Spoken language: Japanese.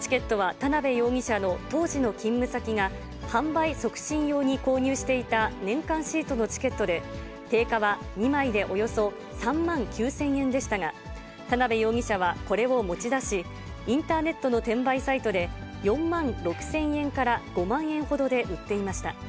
チケットは田辺容疑者の当時の勤務先が、販売促進用に購入していた年間シートのチケットで、定価は２枚でおよそ３万９０００円でしたが、田辺容疑者はこれを持ち出し、インターネットの転売サイトで、４万６０００円から５万円ほどで売っていました。